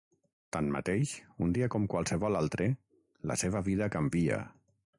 Tanmateix, un dia com qualsevol altre, la seva vida canvia.